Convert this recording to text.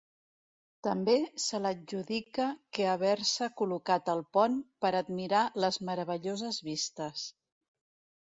També se l'adjudica que haver-se col·locat al pont per admirar les meravelloses vistes.